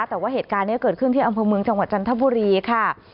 แต่ว่าเหตุการณ์นี้เกิดขึ้นที่อำเภอเมืองจังหวัดจันทบุรีค่ะ